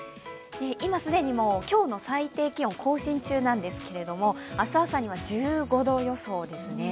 今、既に今日の最低気温、更新中なんですけれども明日朝には１５度予想ですね。